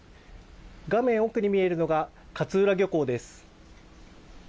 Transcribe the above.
画面奥に見えるのが勝浦漁港です。